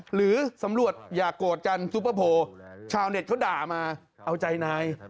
หรือสำรวจอย่าโกรธกันซุปเปอร์โพลชาวเน็ตเขาด่ามาเอาใจนาย